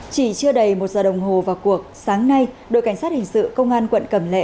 chỉ chưa đầy một giờ đồng hồ vào cuộc sáng nay đội cảnh sát hình sự công an quận cẩm lệ